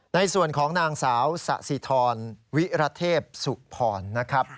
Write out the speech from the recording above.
ในส่วนของนางสาวสะสิทรวิรเทพสุพรนะครับ